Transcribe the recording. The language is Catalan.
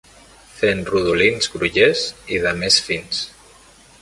Fent rodolins grollers i de més fins.